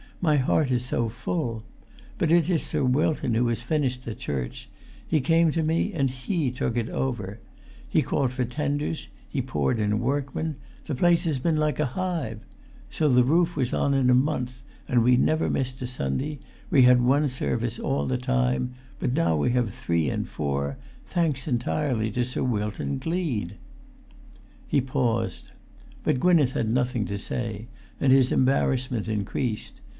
My heart is so full! But it is Sir Wilton who has finished the church; he came to me, and he took it over. He called for tenders; he poured in workmen; the place has been like a hive. So the roof was on in a month; and we never missed a Sunday, we had one service all the time; but now we have three and four—thanks entirely to Sir Wilton Gleed!" He paused. But Gwynneth had nothing to say, and his embarrassment increased.